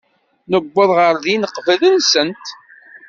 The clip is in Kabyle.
Newweḍ ɣer din qbel-nsent.